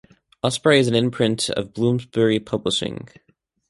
Osprey is an imprint of Bloomsbury Publishing.